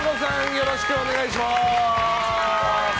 よろしくお願いします。